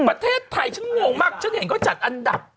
ประเทศไทยฉันงงมากฉันเห็นเขาจัดอันดับ